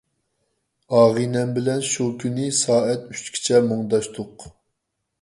ئاغىنەم بىلەن شۇ كۈنى سائەت ئۈچكىچە مۇڭداشتۇق.